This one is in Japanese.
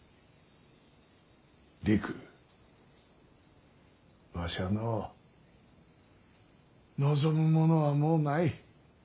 りくわしはのう望むものはもうない。